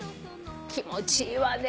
気持ちいいわね